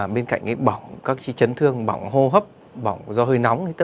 đối cạnh bỏng các trấn thương bỏng hô hấp bỏng do hơi nóng